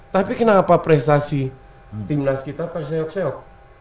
tapi kenapa prestasi timnas kita terseok seok